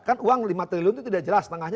kan uang lima triliun itu tidak jelas tengahnya